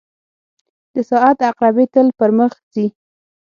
• د ساعت عقربې تل پر مخ ځي.